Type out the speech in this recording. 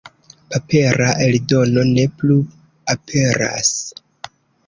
Papera eldono ne plu aperas.